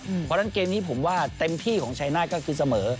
เพราะฉะนั้นเกมนี้ผมว่าเต็มที่ของชายนาฏก็คือเสมอ